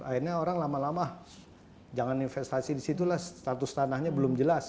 akhirnya orang lama lama jangan investasi disitulah status tanahnya belum jelas